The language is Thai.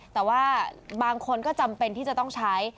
แต่ว่าบางคนก็จำเป็นที่จะต้องใช้